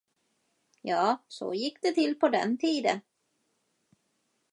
Ja, så gick det till på den tiden!